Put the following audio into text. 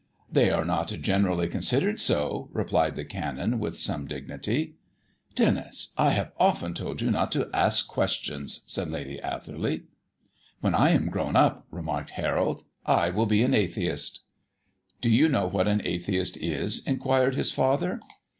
"They are not generally considered so," replied the Canon with some dignity. "Denis, I have often told you not to ask questions," said Lady Atherley. "When I am grown up," remarked Harold, "I will be an atheist." "Do you know what an atheist is?" inquired his father.